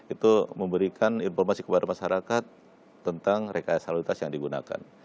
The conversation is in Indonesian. itu memberikan informasi kepada masyarakat tentang rekayasa lalu lintas yang digunakan